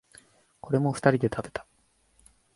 これも二人で食べた。